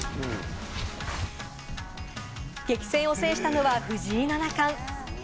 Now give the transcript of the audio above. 激戦を制したのは藤井七冠。